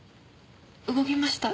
動きました。